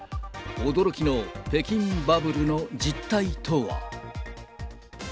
驚きの北京バブルの実態とは。